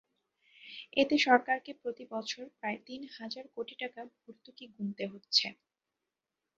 এতে সরকারকে প্রতিবছর প্রায় তিন হাজার কোটি টাকা ভর্তুকি গুনতে হচ্ছে।